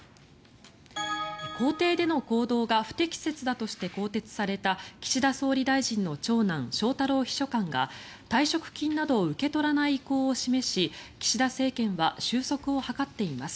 公邸での行動が不適切だとして更迭された岸田総理大臣の長男翔太郎秘書官が退職金などを受け取らない意向を示し岸田政権は収束を図っています。